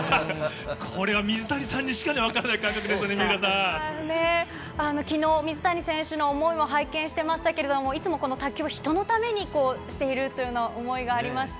これは水谷さんにしか分からきのう、水谷選手の想いも拝見してましたけど、いつも、この卓球は人のためにしているという想いがありました。